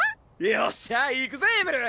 よっしゃ行くぜエムル。